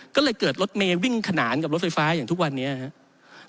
ก็เลยเกิดรถเมย์วิ่งขนานกับรถไฟฟ้าอย่างทุกวันนี้ครับ